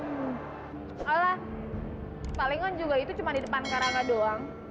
alah palingan juga itu cuma di depan karanga doang